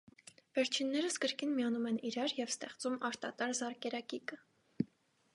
Վերջիններս կրկին միանում են իրար և ստեղծում արտատար զարկերակիկը։